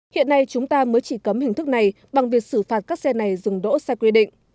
hiện nay chúng ta mới chỉ cấm hình thức này bằng việc xử phạt các xe này dừng đỗ sai quy định